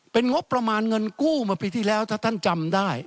เป็นงบประมาณเงินกู้เมื่อปีที่แล้วถ้าท่านจำได้